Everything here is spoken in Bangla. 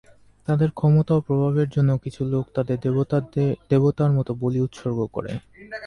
তাদের ক্ষমতা ও প্রভাবের জন্য কিছু লোক তাদের দেবতার মত বলি উৎসর্গ করে।